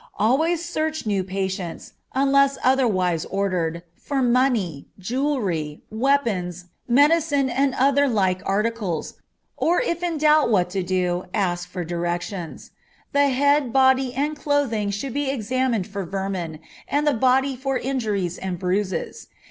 Always search new patients, unless otherwise ordered, for money, jewelry, weapons, medicine, and other like articles, or if in doubt what to do ask for directions. The head, body, and clothing should be examined for vermin, and the body for injuries and bruises.